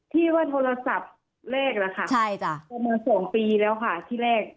ที่ว่าโทรศัพท์เล่กแล้วค่ะใช่จ้ะเมื่อสองปีแล้วค่ะที่แรก